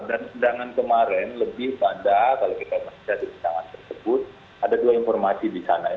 dan sedangkan kemarin lebih pada kalau kita menjadikan sedangkan tersebut ada dua informasi di sana